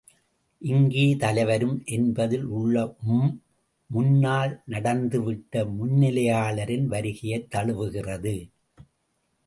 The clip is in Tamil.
இங்கே தலைவரும் என்பதில் உள்ள உம், முன்னால் நடந்துவிட்ட முன்னிலையாளரின் வருகையைத் தழுவுகிறது.